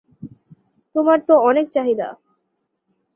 তোমার তো অনেক চাহিদা।